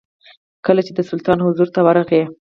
کله چې د سلطان حضور ته ورغی.